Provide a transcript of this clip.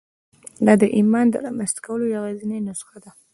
دا د ایمان د رامنځته کولو یوازېنۍ نسخه ده